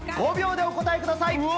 ５秒でお答えください。